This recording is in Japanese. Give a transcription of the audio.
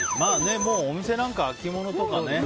お店なんか、秋物とかね。